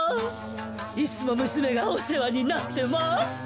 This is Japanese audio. いつもむすめがおせわになってます。